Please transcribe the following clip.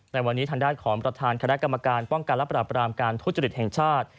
ในวันนี้ทางด้านของประธานคณะกรรมการป้องกันและปราบรามการทุจริตแห่งชาติ